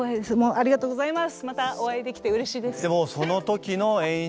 ありがとうございます。